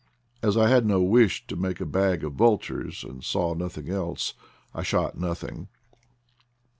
As I had no wish to make a bag of vultures and saw nothing else, I shot nothing.